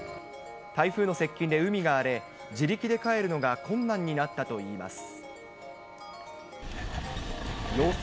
台風の接近で海が荒れ、自力で帰るのが困難になったといいます。